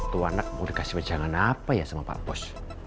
tuanak mau dikasih perjalanan apa ya sama pak bos